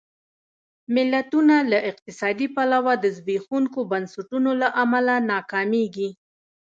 ملتونه له اقتصادي پلوه د زبېښونکو بنسټونو له امله ناکامېږي.